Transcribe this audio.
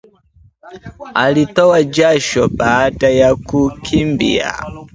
Alitoa jasho baada ya kukimbia